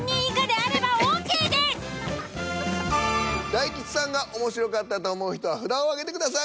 大吉さんが面白かったと思う人は札を挙げてください。